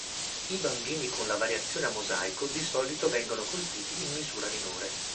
I bambini con la variazione a mosaico di solito vengono colpiti in misura minore.